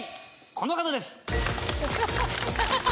この方です。